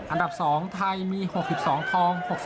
อันดับสองไทยมี๖๒ทอง